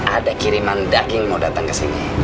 ada kiriman daging mau datang kesini